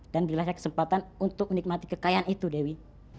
dan beri saya kesempatan untuk menikmati kekayaan itu dewi